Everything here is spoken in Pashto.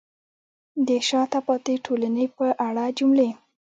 د شاته پاتې ټولنې په اړه جملې: